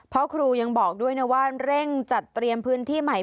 เพราะครูยังบอกด้วยนะว่าเร่งจัดเตรียมพื้นที่ใหม่